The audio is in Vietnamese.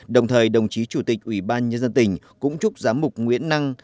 đồng thời đồng chí chủ tịch ủy ban nhân dân tỉnh cũng chúc giám mục nguyễn năng